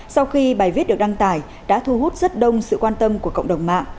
sau khi bài viết được đăng tải đã thu hút rất đông sự quan tâm của cộng đồng mạng